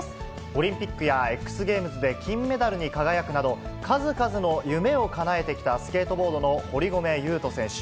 オリンピックやＸＧａｍｅｓで金メダルに輝くなど、数々の夢をかなえてきたスケートボードの堀米雄斗選手。